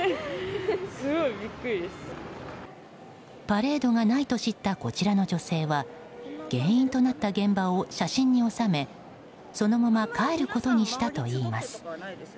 パレードがないと知ったこちらの女性は原因となった現場を写真に収めそのまま帰ることにしたといいます。